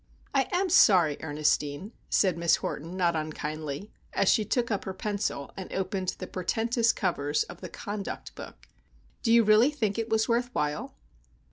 "I am sorry, Ernestine," said Miss Horton not unkindly, as she took up her pencil and opened the portentous covers of the Conduct Book. "Do you really think it was worth while?"